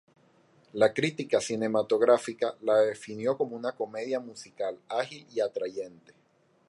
La crítica cinematográfica la definió como una comedia musical ágil y atrayente.